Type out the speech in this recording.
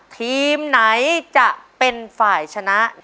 ทีมไหนจะเป็นฝ่ายชนะ